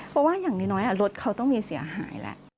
เพราะว่าอย่างน้อยรถเขาต้องมีเสียหายแล้ว